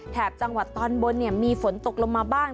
แถบจังหวัดตอนบนมีฝนตกลงมาบ้าง